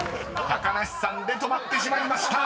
［高梨さんで止まってしまいました］